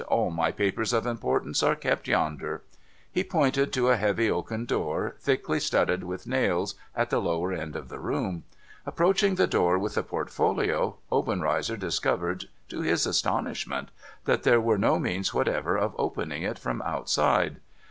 ' All my papers of importance are kept yonder.' He pointed to a heavy oaken door, thickly studded with nails, at the lower end of the room. Approaching the door, with the portfolio, Obenreizer discovered, to his astonishment, that there were no means whatever of opening it from the outside.